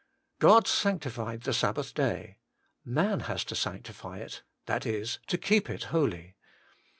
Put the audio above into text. God sanctified the Sabbath day : man has to sanctify it, that is, to keep it holy.